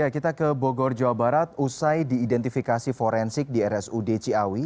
kita ke bogor jawa barat usai diidentifikasi forensik di rsud ciawi